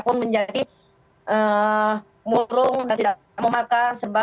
semua nangis jadi sekus bagi orang tua